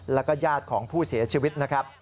แล้วก็ญาติของผู้เสียชีวิตนะครับ